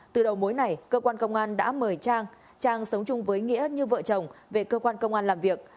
từ đầu mối này cơ quan công an đã mời trang trang sống chung với nghĩa như vợ chồng về cơ quan công an làm việc